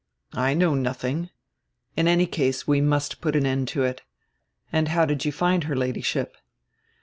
"I know nothing. In any case we must put an end to it. And how did you find her Ladyship?"